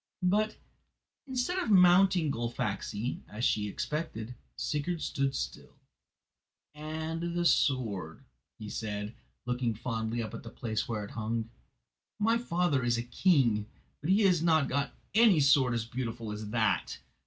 But, instead of mounting Gullfaxi, as she expected, Sigurd stood still. "And the sword," he said, looking fondly up to the place where it hung. "My father is a king, but he has not got any sword so beautiful as that.